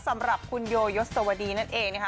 สำหรับคุณโยยศวดีนั่นเองนะคะ